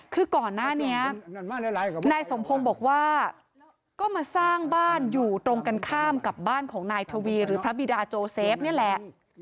คือก่อนหน้านี้นายสมพงศ์บอกว่าก็มาสร้างบ้านอยู่ตรงกันข้ามกับบ้านของนายทวีหรือพระบิดาโจเซฟนี่แหละ